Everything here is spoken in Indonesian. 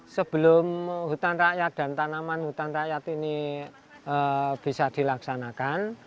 sebelum hutan rakyat dan tanaman hutan rakyat ini bisa dilaksanakan